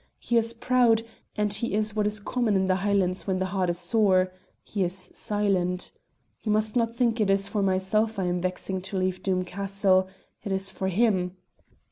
He is proud, and he is what is common in the Highlands when the heart is sore he is silent. You must not think it is for myself I am vexing to leave Doom Castle; it is for him.